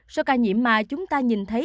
số ca nhiễm mà chúng ta nhìn thấy